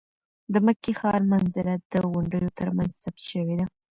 د مکې ښار منظره د غونډیو تر منځ ثبت شوې ده.